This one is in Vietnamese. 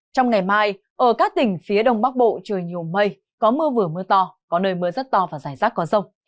trong ngày mai ở các tỉnh phía đông bắc bộ trời nhiều mây có mưa vừa mưa to có nơi mưa rất to và rải rác có rông